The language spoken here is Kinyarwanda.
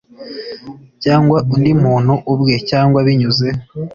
cyangwa undi muntu ubwe cyangwa binyuze